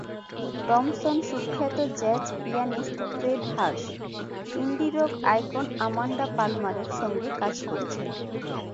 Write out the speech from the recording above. Thomson সুখ্যাত jazz pianist Fred Hersch, indie rock icon Amanda পালমারের সঙ্গে কাজ করেছেন।